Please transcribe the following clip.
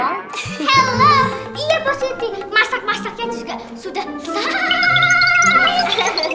halo iya positi masak masaknya juga sudah selesai